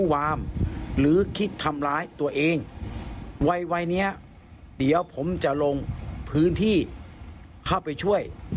วัยนี้เดี๋ยวผมจะลงพื้นที่เข้าไปช่วย